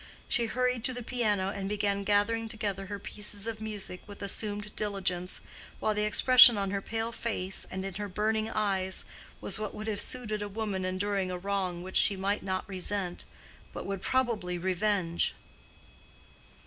She hurried to the piano and began gathering together her pieces of music with assumed diligence, while the expression on her pale face and in her burning eyes was what would have suited a woman enduring a wrong which she might not resent, but would probably revenge.